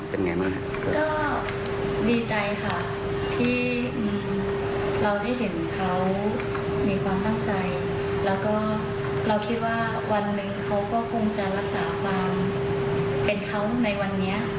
เติบโตไปในวันทำงาน